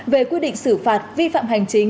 về quy định xử phạt vi phạm hành chính